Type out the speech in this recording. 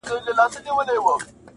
هر څه هماغسې مبهم پاتې کيږي,